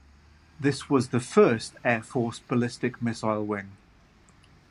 This was the first Air Force ballistic missile wing.